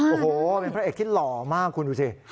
โอ้โหเป็นพระเอกที่หล่อมากคุณดูสิ